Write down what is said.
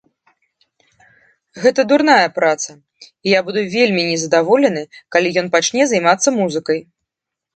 Гэта дурная праца і я буду вельмі незадаволены, калі ён пачне займацца музыкай.